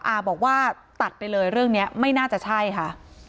อาบอกว่าตัดไปเลยเรื่องนี้ไม่น่าจะใช่ค่ะ